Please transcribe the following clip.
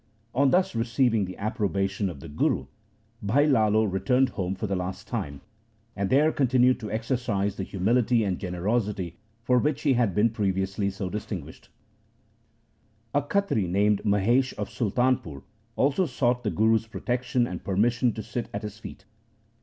On thus receiving the approbation of the Guru, Bhai Lalo returned home for the last time, and there continued to exercise the humility and generosity for which he had been previously so distinguished A Khatri named Mahesha of Sultanpur also sought the Guru's protection and permission to sit at his feet.